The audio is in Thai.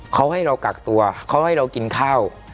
เขาให้เรากักตัวเขาให้เรากินข้าว